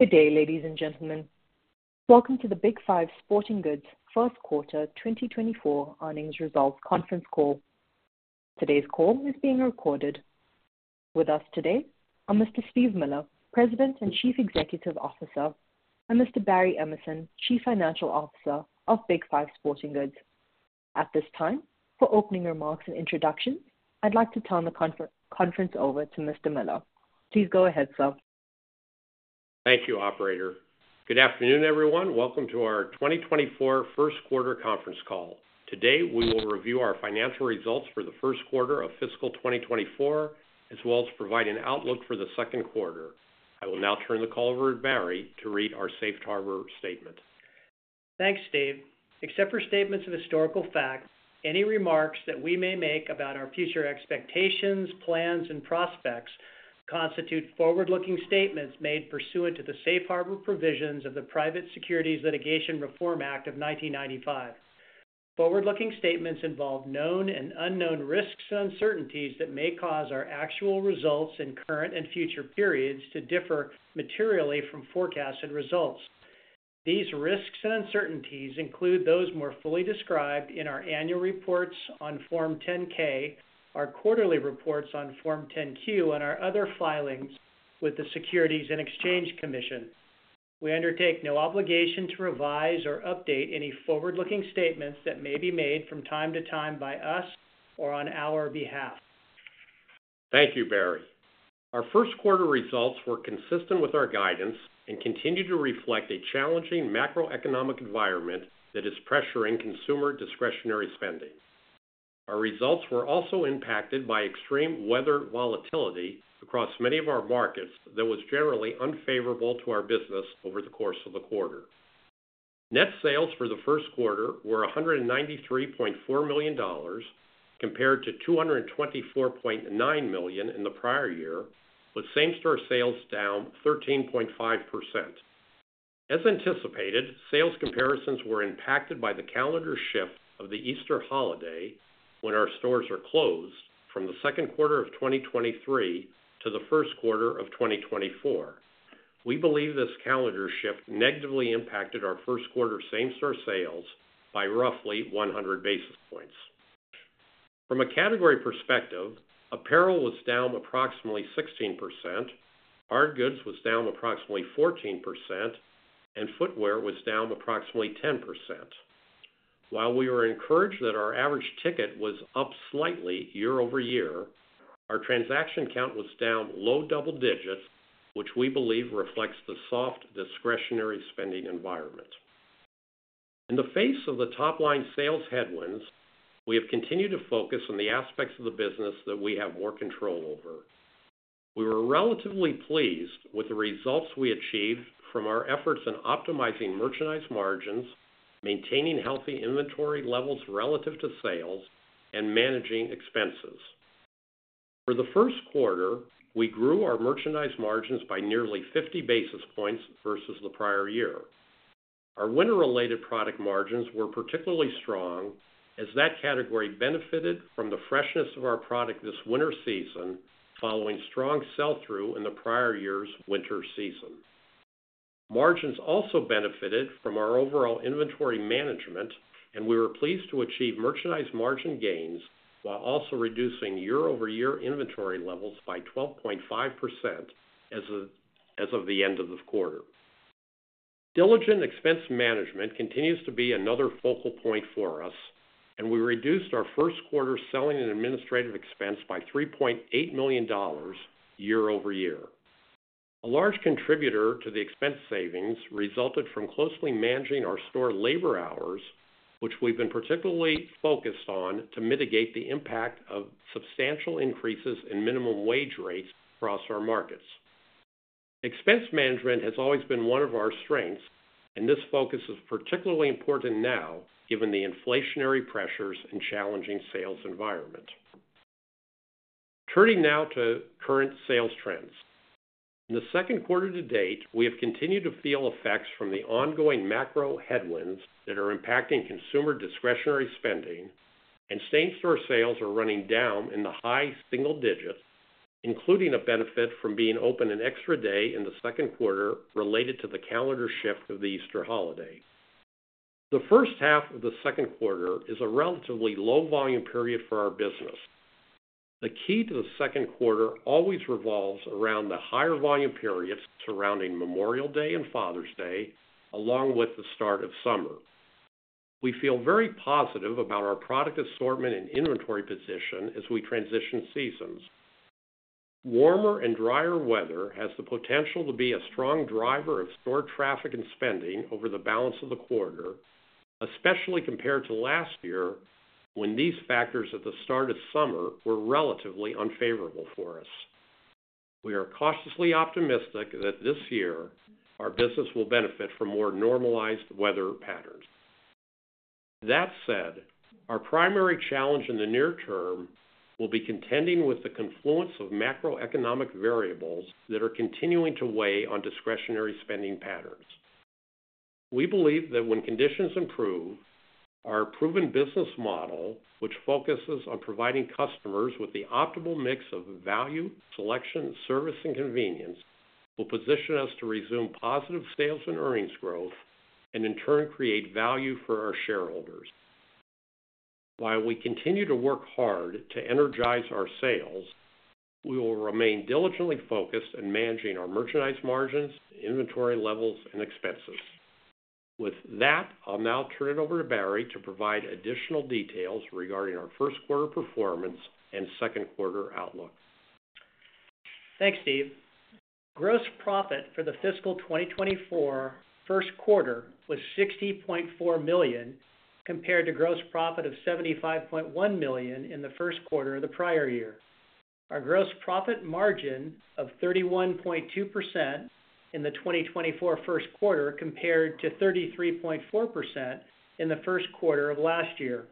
Good day, ladies and gentlemen. Welcome to the Big 5 Sporting Goods first quarter 2024 earnings results conference call. Today's call is being recorded. With us today are Mr. Steve Miller, President and Chief Executive Officer, and Mr. Barry Emerson, Chief Financial Officer of Big 5 Sporting Goods. At this time, for opening remarks and introductions, I'd like to turn the conference over to Mr. Miller. Please go ahead, sir. Thank you, operator. Good afternoon, everyone. Welcome to our 2024 first quarter conference call. Today, we will review our financial results for the first quarter of fiscal 2024, as well as provide an outlook for the second quarter. I will now turn the call over to Barry to read our safe harbor statement. Thanks, Steve. Except for statements of historical fact, any remarks that we may make about our future expectations, plans, and prospects constitute forward-looking statements made pursuant to the safe harbor provisions of the Private Securities Litigation Reform Act of 1995. Forward-looking statements involve known and unknown risks and uncertainties that may cause our actual results in current and future periods to differ materially from forecasted results. These risks and uncertainties include those more fully described in our annual reports on Form 10-K, our quarterly reports on Form 10-Q, and our other filings with the Securities and Exchange Commission. We undertake no obligation to revise or update any forward-looking statements that may be made from time to time by us or on our behalf. Thank you, Barry. Our first quarter results were consistent with our guidance and continue to reflect a challenging macroeconomic environment that is pressuring consumer discretionary spending. Our results were also impacted by extreme weather volatility across many of our markets that was generally unfavorable to our business over the course of the quarter. Net sales for the first quarter were $193.4 million, compared to $224.9 million in the prior year, with same-store sales down 13.5%. As anticipated, sales comparisons were impacted by the calendar shift of the Easter holiday, when our stores are closed from the second quarter of 2023 to the first quarter of 2024. We believe this calendar shift negatively impacted our first quarter same-store sales by roughly 100 basis points. From a category perspective, apparel was down approximately 16%, hard goods was down approximately 14%, and footwear was down approximately 10%. While we were encouraged that our average ticket was up slightly year-over-year, our transaction count was down low double digits, which we believe reflects the soft discretionary spending environment. In the face of the top-line sales headwinds, we have continued to focus on the aspects of the business that we have more control over. We were relatively pleased with the results we achieved from our efforts in optimizing merchandise margins, maintaining healthy inventory levels relative to sales, and managing expenses. For the first quarter, we grew our merchandise margins by nearly 50 basis points versus the prior year. Our winter-related product margins were particularly strong, as that category benefited from the freshness of our product this winter season, following strong sell-through in the prior year's winter season. Margins also benefited from our overall inventory management, and we were pleased to achieve merchandise margin gains while also reducing year-over-year inventory levels by 12.5% as of the end of the quarter. Diligent expense management continues to be another focal point for us, and we reduced our first quarter selling and administrative expense by $3.8 million year-over-year. A large contributor to the expense savings resulted from closely managing our store labor hours, which we've been particularly focused on to mitigate the impact of substantial increases in minimum wage rates across our markets. Expense management has always been one of our strengths, and this focus is particularly important now, given the inflationary pressures and challenging sales environment. Turning now to current sales trends. In the second quarter to date, we have continued to feel effects from the ongoing macro headwinds that are impacting consumer discretionary spending, and same-store sales are running down in the high single digits, including a benefit from being open an extra day in the second quarter related to the calendar shift of the Easter holiday. The first half of the second quarter is a relatively low volume period for our business. The key to the second quarter always revolves around the higher volume periods surrounding Memorial Day and Father's Day, along with the start of summer. We feel very positive about our product assortment and inventory position as we transition seasons. Warmer and drier weather has the potential to be a strong driver of store traffic and spending over the balance of the quarter, especially compared to last year, when these factors at the start of summer were relatively unfavorable for us. We are cautiously optimistic that this year our business will benefit from more normalized weather patterns. That said, our primary challenge in the near term will be contending with the confluence of macroeconomic variables that are continuing to weigh on discretionary spending patterns.... We believe that when conditions improve, our proven business model, which focuses on providing customers with the optimal mix of value, selection, service, and convenience, will position us to resume positive sales and earnings growth and in turn, create value for our shareholders. While we continue to work hard to energize our sales, we will remain diligently focused in managing our merchandise margins, inventory levels and expenses. With that, I'll now turn it over to Barry to provide additional details regarding our first quarter performance and second quarter outlook. Thanks, Steve. Gross profit for the fiscal 2024 first quarter was $60.4 million, compared to gross profit of $75.1 million in the first quarter of the prior year. Our gross profit margin of 31.2% in the 2024 first quarter, compared to 33.4% in the first quarter of last year.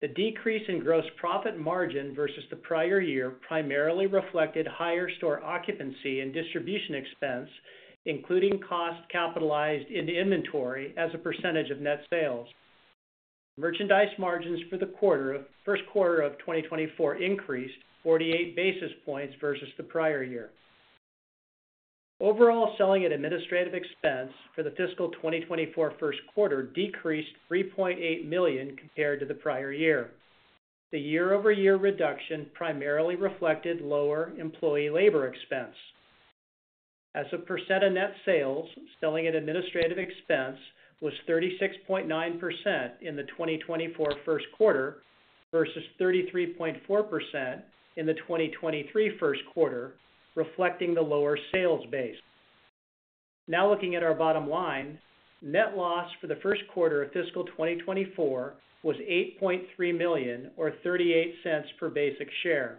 The decrease in gross profit margin versus the prior year primarily reflected higher store occupancy and distribution expense, including cost capitalized into inventory as a percentage of net sales. Merchandise margins for the first quarter of 2024 increased 48 basis points versus the prior year. Overall, selling and administrative expense for the fiscal 2024 first quarter decreased $3.8 million compared to the prior year. The year-over-year reduction primarily reflected lower employee labor expense. As a percent of net sales, selling and administrative expense was 36.9% in the 2024 first quarter versus 33.4% in the 2023 first quarter, reflecting the lower sales base. Now looking at our bottom line, net loss for the first quarter of fiscal 2024 was $8.3 million, or $0.38 per basic share.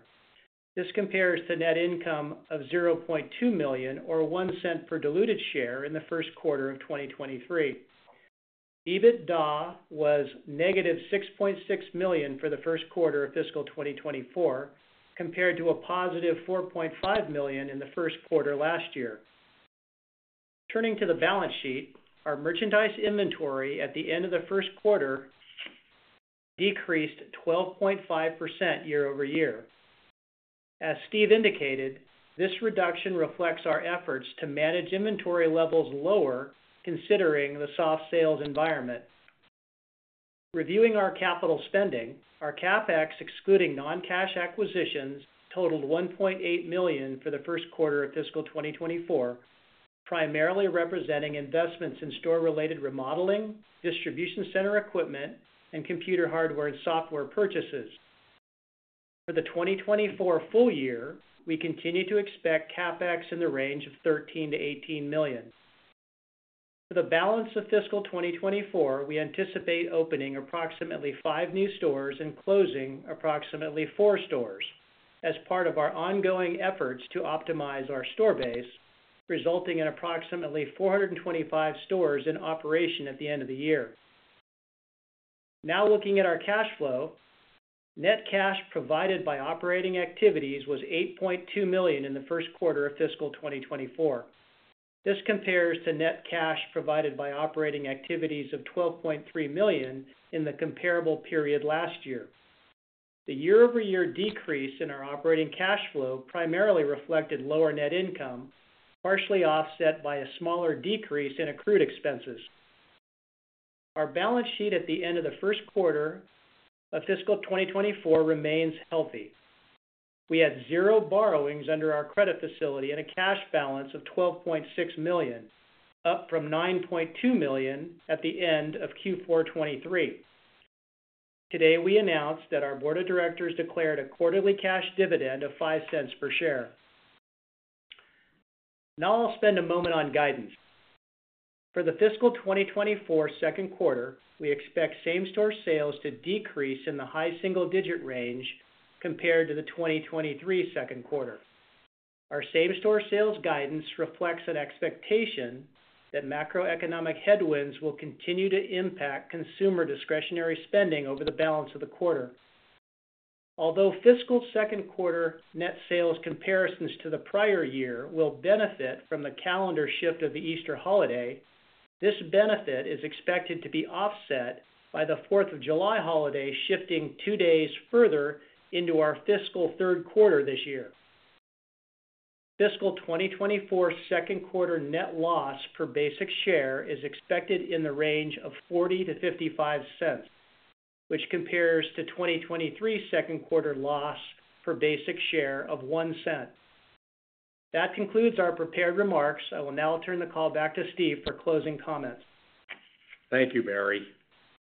This compares to net income of $0.2 million, or $0.01 per diluted share in the first quarter of 2023. EBITDA was -$6.6 million for the first quarter of fiscal 2024, compared to a positive $4.5 million in the first quarter last year. Turning to the balance sheet, our merchandise inventory at the end of the first quarter decreased 12.5% year-over-year. As Steve indicated, this reduction reflects our efforts to manage inventory levels lower, considering the soft sales environment. Reviewing our capital spending, our CapEx, excluding non-cash acquisitions, totaled $1.8 million for the first quarter of fiscal 2024, primarily representing investments in store-related remodeling, distribution center equipment, and computer hardware and software purchases. For the 2024 full year, we continue to expect CapEx in the range of $13 million-$18 million. For the balance of fiscal 2024, we anticipate opening approximately 5 new stores and closing approximately 4 stores as part of our ongoing efforts to optimize our store base, resulting in approximately 425 stores in operation at the end of the year. Now looking at our cash flow. Net cash provided by operating activities was $8.2 million in the first quarter of fiscal 2024. This compares to net cash provided by operating activities of $12.3 million in the comparable period last year. The year-over-year decrease in our operating cash flow primarily reflected lower net income, partially offset by a smaller decrease in accrued expenses. Our balance sheet at the end of the first quarter of fiscal 2024 remains healthy. We had zero borrowings under our credit facility and a cash balance of $12.6 million, up from $9.2 million at the end of Q4 2023. Today, we announced that our board of directors declared a quarterly cash dividend of $0.05 per share. Now I'll spend a moment on guidance. For the fiscal 2024 second quarter, we expect same-store sales to decrease in the high single-digit range compared to the 2023 second quarter. Our same-store sales guidance reflects an expectation that macroeconomic headwinds will continue to impact consumer discretionary spending over the balance of the quarter. Although fiscal second quarter net sales comparisons to the prior year will benefit from the calendar shift of the Easter holiday, this benefit is expected to be offset by the Fourth of July holiday, shifting two days further into our fiscal third quarter this year. Fiscal 2024 second quarter net loss per basic share is expected in the range of $0.40-$0.55, which compares to 2023 second quarter loss per basic share of $0.01. That concludes our prepared remarks. I will now turn the call back to Steve for closing comments. Thank you, Barry.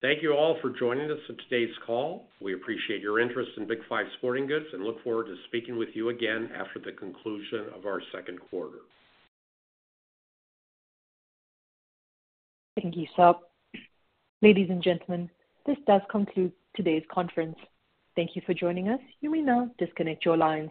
Thank you all for joining us on today's call. We appreciate your interest in Big 5 Sporting Goods and look forward to speaking with you again after the conclusion of our second quarter. Thank you, sir. Ladies and gentlemen, this does conclude today's conference. Thank you for joining us. You may now disconnect your lines.